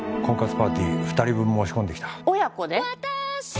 婚活パーティー２人分申し込んできた親子で？